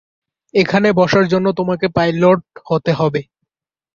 এখানে বসার জন্য তোমাকে পাইলট হতে হবে।